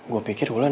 gue pikir bulan